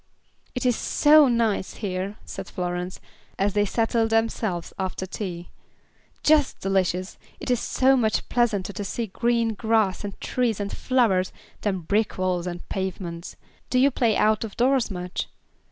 "It is so nice here," said Florence, as they settled themselves after their tea, "just delicious. It is so much pleasanter to see green grass, and trees, and flowers, than brick walls, and pavements. Do you play out of doors much?"